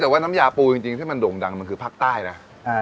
แต่ว่าน้ำยาปูจริงที่มันโด่งดังมันคือภาคใต้นะ